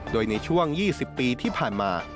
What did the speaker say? โดยในช่วง๒๐ปีที่ผ่านมา